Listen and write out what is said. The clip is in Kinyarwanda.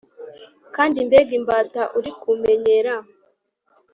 Kandi mbega imbata uri kumenyera